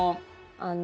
あの。